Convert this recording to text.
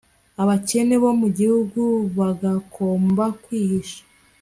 abakene bo mu gihugu bakagomba kwihisha